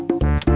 udah deh kak